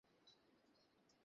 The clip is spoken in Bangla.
সেটা ওরা পারলে না।